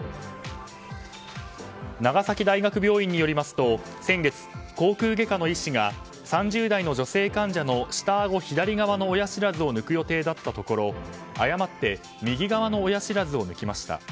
長崎大学病院によりますと先月口腔外科の医師が３０代の女性患者の下あご左側の親知らずを抜く予定だったところ誤って右側の親知らずを抜きました。